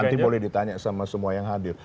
nanti boleh ditanya sama semua yang hadir